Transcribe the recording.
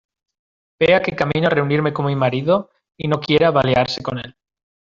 vea que camino a reunirme con mi marido y no quiera balearse con él.